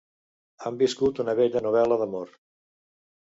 Han viscut una bella novel·la d'amor.